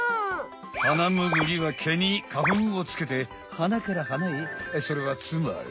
ハナムグリは毛に花ふんをつけて花から花へそれはつまり。